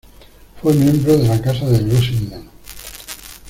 Fue miembro de la casa de Lusignan.